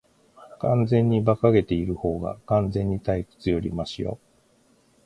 完全に馬鹿げているほうが、完全に退屈よりマシよ。